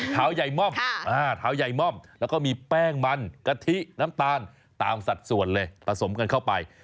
เท้าใหญ่ม่อมเท้าใหญ่ม่อมแล้วก็มีแป้งมันกะทิน้ำตาลตามสัดส่วนเลยผสมกันเข้าไป